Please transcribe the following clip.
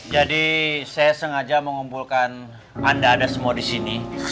jadi saya sengaja mau ngumpulkan anda ada semua di sini